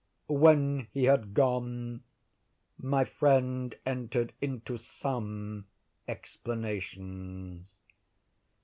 When he had gone, my friend entered into some explanations.